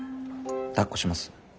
だっこします？